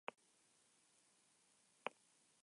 A veces se usa como condimento en ensaladas.